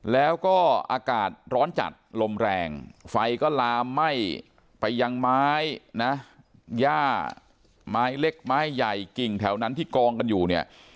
แล้วก็อากาศร้อนจัดลมแรงไฟก็ลามไหม้ไปยังไม้นะย่าไม้เล็กไม้ใหญ่กิ่งแถวนั้นที่กองกันอยู่เนี่ย